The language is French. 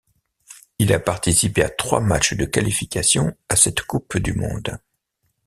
Il a participé à trois matchs de qualification à cette coupe du monde.